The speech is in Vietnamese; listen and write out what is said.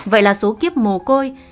vậy là số kiếp mồ côi